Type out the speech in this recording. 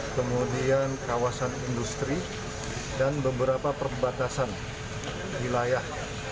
kemudian kawasan industri dan beberapa perbatasan wilayah